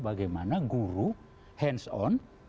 bagaimana guru hands on